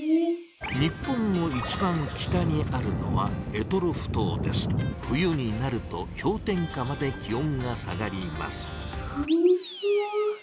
日本の一番北にあるのは冬になるとひょう点下まで気おんが下がりますさむそう。